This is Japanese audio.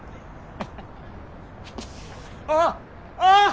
あっああっ！